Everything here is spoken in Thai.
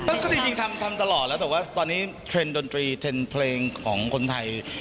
ก็จริงทำตลอดแล้วแต่ว่าตอนนี้เทรนด์ดนตรีเทรนด์เพลงของคนไทย